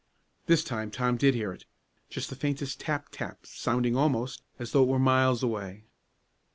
This time Tom did hear it; just the faintest tap, tap, sounding, almost, as though it were miles away.